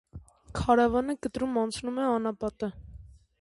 Քարավանը կտրում անցնում է անապատը։